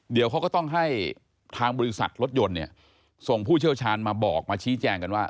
เดี๋ยวเขาก็ต้องให้ทางบริษัทรถยนต์เนี่ยส่งผู้เชี่ยวชาญมาบอกมาชี้แจงกันว่า